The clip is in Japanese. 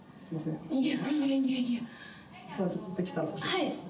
はい。